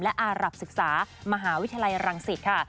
และอารับศึกษามหาวิทยาลัยรังสิตค่ะ